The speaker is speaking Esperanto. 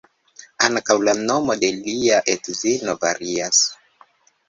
Ankaŭ la nomo de lia edzino varias.